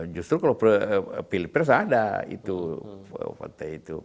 justru kalau pilkada itu ada